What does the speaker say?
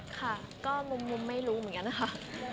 ค่ะก็มุมไม่รู้เหมือนกันนะคะ